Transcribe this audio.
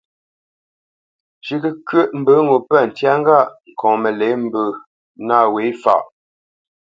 Zhʉ̌ʼ kəkyə́ʼ mbə ŋo pə̂ ntyá ŋgâʼ ŋkɔŋ məlě mbə nâ wě faʼ.